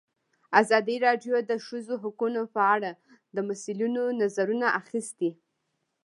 ازادي راډیو د د ښځو حقونه په اړه د مسؤلینو نظرونه اخیستي.